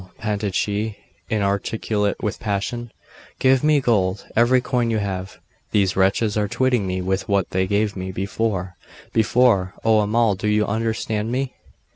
panted she, inarticulate with passion. 'Give me gold every coin you have. These wretches are twitting me with what they gave me before before oh Amal, you understand me?